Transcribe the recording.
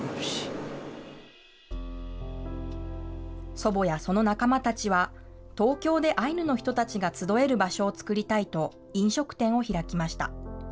祖母やその仲間たちは、東京でアイヌの人たちが集える場所を作りたいと、飲食店を開きました。